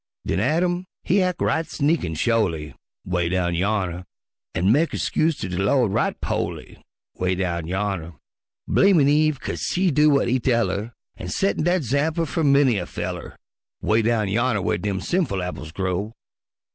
Den Adam he ac' right sneakin' sho'ly, ('Way down yonner) An' mek his 'scuse ter de Lawd right po'ly, ('Way down yonner) Blamin' Eve 'kase she do w'at he tell 'er, An' settin' dat 'zample fer many a feller, 'Way down yonner whar dem sinful apples grow.